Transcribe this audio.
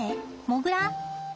モグラ？